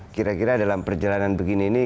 kira kira dalam perjalanan begini ini